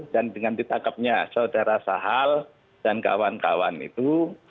dan dengan ditangkapnya saudara sahal dan kawan kawan itu